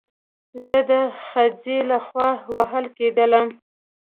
زه د خځې له خوا وهل کېدلم